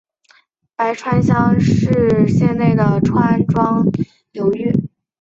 白川乡是指岐阜县内的庄川流域。